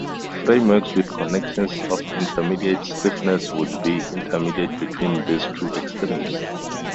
Frame works with connections of intermediate stiffness will be intermediate between these two extremes.